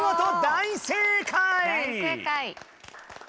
大正解。